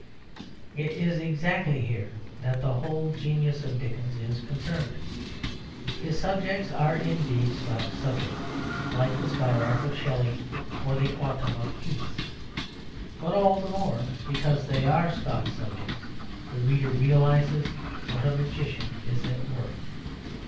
It is exactly here that the whole genius of Dickens is concerned. His subjects are indeed stock subjects; like the skylark of Shelley, or the autumn of Keats. But all the more because they are stock subjects the reader realises what a magician is at work.